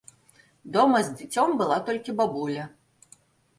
Дома з дзіцем была толькі бабуля.